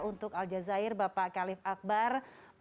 untuk alja zair bapak khalif akbar